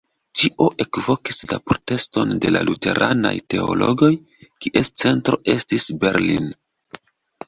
Tio elvokis la proteston de la luteranaj teologoj, kies centro estis Berlin.